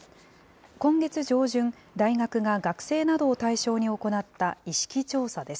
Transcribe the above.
今月上旬、大学が学生などを対象に行った意識調査です。